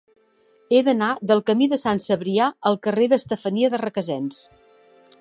He d'anar del camí de Sant Cebrià al carrer d'Estefania de Requesens.